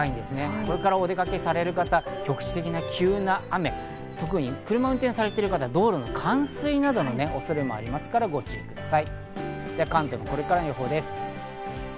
これからお出かけされる方、局地的な急な雨、特に車を運転されている方は道路の冠水などの恐れもあるのでご注意ください。